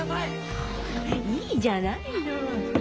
いいじゃないの。